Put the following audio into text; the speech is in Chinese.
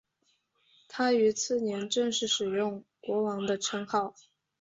他于次年正式使用国王的称号。